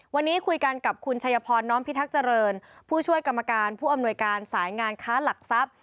วันนี้คุยกันกับคุณชัยพรน้อมพิทักษ์เจริญผู้ช่วยกรรมการผู้อำนวยการสายงานค้าหลักทรัพย์